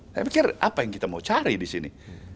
saya pikir apa yang kita mau cari disini